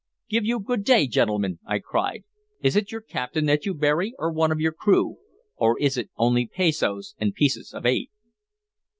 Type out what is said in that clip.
"Give you good day, gentlemen," I cried. "Is it your captain that you bury or one of your crew, or is it only pezos and pieces of eight?"